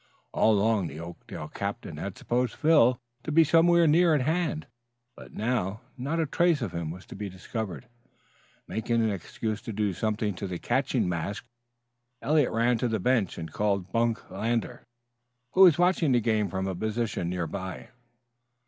All along the Oakdale captain had supposed Phil to be somewhere near at hand, but now not a trace of him was to be discovered. Making an excuse to do something to the catching mask, Eliot ran to the bench and called Bunk Lander, who was watching the game from a position near by.